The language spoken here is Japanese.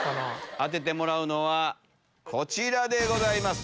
当ててもらうのはこちらでございます。